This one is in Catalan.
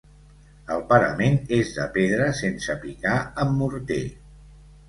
El parament és de pedra sense picar amb morter.